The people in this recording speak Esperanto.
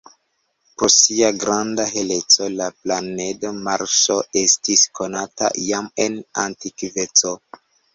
Pro sia granda heleco la planedo Marso estis konata jam en antikveco.